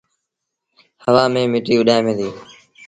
هوآ ميݩ مٽيٚ اُڏآمي ديٚ۔